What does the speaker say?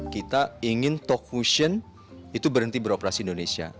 kita ingin talkfusion berhenti beroperasi di indonesia